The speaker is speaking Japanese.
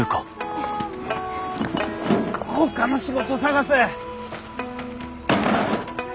ほかの仕事探せ。